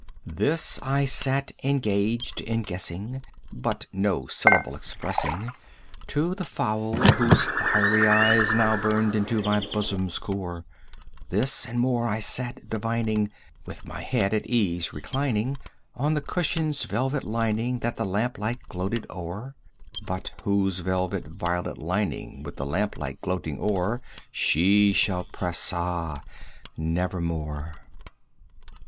This I sat engaged in guessing, but no syllable expressing To the fowl whose fiery eyes now burned into my bosom's core; This and more I sat divining, with my head at ease reclining 75 On the cushion's velvet lining that the lamp light gloated o'er, But whose velvet violet lining with the lamp light gloating o'er She shall press, ah, nevermore!